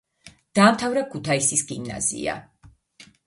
დაამთავრა ქუთაისის გიმნაზია.